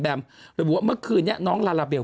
ระบุว่าเมื่อคืนนี้น้องลาลาเบล